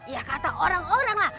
ya kata orang orang lah